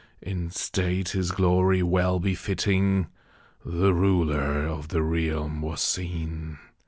In state his glory well befitting, The ruler of the realm was seen.